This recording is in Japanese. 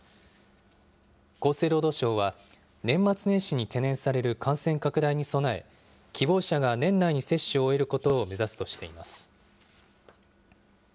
厚生労働省は、年末年始に懸念される感染拡大に備え、希望者が年内に接種を終えることを目指すとしています。